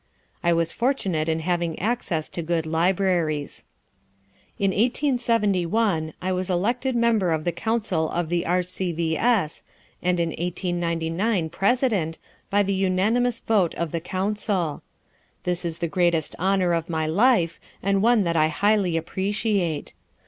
I was fortunate in having access to good libraries. "In 1891 I was elected member of the Council of the R.C.V.S., and in 1899 president, by the unanimous vote of the Council. This is the greatest honor of my life, and one that I highly appreciate.